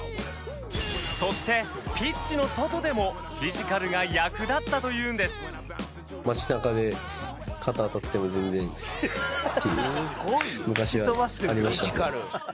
そしてピッチの外でもフィジカルが役立ったというんですっていう昔はありましたね。